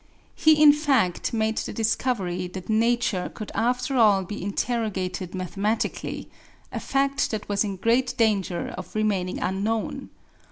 He in fact made the discovery that Nature could after all be interrogated mathematically a fact that was in great danger of remaining unknown.